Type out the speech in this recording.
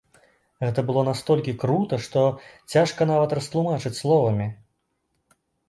Гэта было настолькі крута, што цяжка нават растлумачыць словамі.